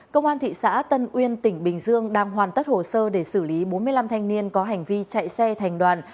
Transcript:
công an thị xã tân uyên tỉnh bình dương đang hoàn tất hồ sơ để xử lý bốn mươi năm thanh niên có hành vi chạy xe thành đoàn